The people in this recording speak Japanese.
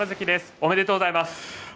おめでとうございます。